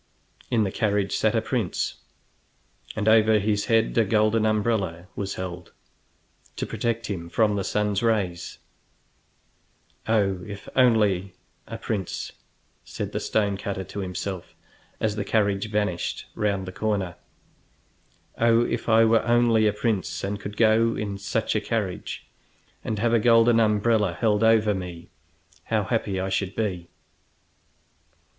In the carriage sat a prince, and over his head a golden umbrella was held, to protect him from the sun's rays. "Oh, if I were only a prince!" said the stone cutter to himself, as the carriage vanished round the corner. "Oh, if I were only a prince, and could go in such a carriage and have a golden umbrella held over me, how happy I should be!"